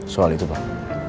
soal itu pak